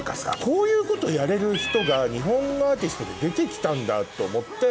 こういうことやれる人が日本のアーティストで出て来たんだと思って。